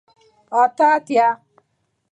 اته اتیا